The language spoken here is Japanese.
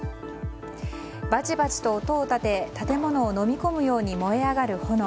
バチバチと音を立て建物をのみ込むように燃え上がる炎。